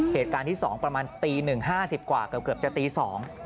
เหตุการณ์ที่สองประมาณตีหนึ่งห้าสิบกว่าเกือบจะตีสอง